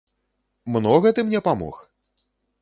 Многа ты мне памог?